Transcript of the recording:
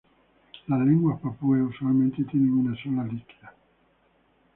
Las lenguas papúes usualmente tienen una sola líquida.